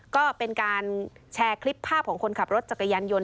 ก็เป็นการแชร์คลิปภาพของคนขับรถจักรยานยนต